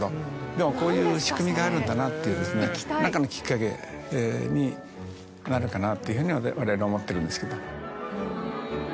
でもこういう仕組みがあるんだなっていう何かのきっかけになるかなというふうにわれわれは思ってるんですけど。